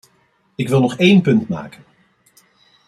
Ik wil nog één punt maken.